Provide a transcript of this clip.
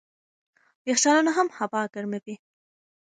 یخچالونه هم هوا ګرموي.